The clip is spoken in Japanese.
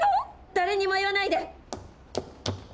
誰にも言わないで！